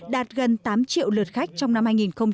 đạt gần tám triệu lượt khách trong năm hai nghìn một mươi năm